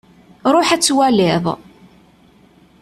Ruḥ ad twaliḍ.